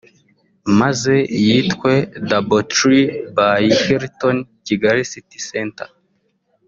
maze yitwe Double Tree by Hilton Kigali City Centre